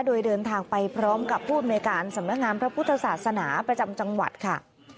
โดยเดินทางไปพร้อมกับผู้อำนวยการสำนักงานพระพุทธศาสนาประจำจังหวัดค่ะ